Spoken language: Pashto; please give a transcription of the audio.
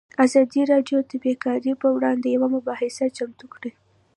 ازادي راډیو د بیکاري پر وړاندې یوه مباحثه چمتو کړې.